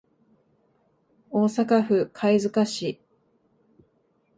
大阪府貝塚市